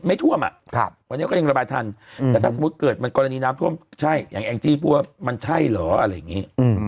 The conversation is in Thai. ไม่ท่วมอ่ะวันนี้ก็ยังระบายทันแต่ถ้าสมมุติเกิดมันกรณีน้ำท่วมใช่อย่างแองจี้พูดว่ามันใช่เหรออะไรอย่างนี้